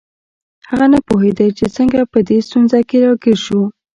هغه نه پوهیده چې څنګه په دې ستونزه کې راګیر شو